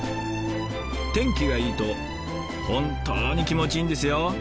天気がいいと本当に気持ちいいんですよ！